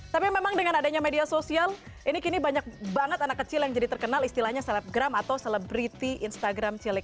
tapi memang dengan adanya media sosial ini kini banyak banget anak kecil yang jadi terkenal istilahnya selebgram atau selebriti instagram cilik